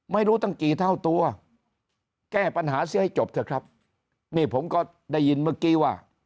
ไม่รู้ตั้งกี่เท่าตัวแก้ปัญหาเสียให้จบเถอะครับนี่ผมก็ได้ยินเมื่อกี้ว่า